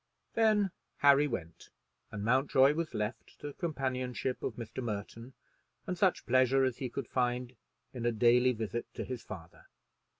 Then Harry went, and Mountjoy was left to the companionship of Mr. Merton, and such pleasure as he could find in a daily visit to his father.